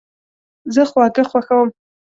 زه خواږه خوښوم